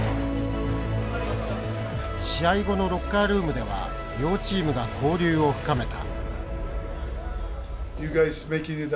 試合後のロッカールームでは両チームが交流を深めた。